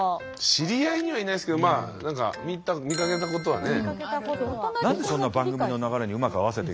知り合いにはいないですけどまあ何か何でそんな番組の流れにうまく合わせて。